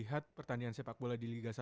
melihat pertanian sepak bola di liga satu